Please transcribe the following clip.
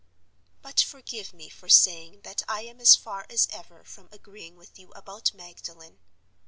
"But, forgive me for saying that I am as far as ever from agreeing with you about Magdalen.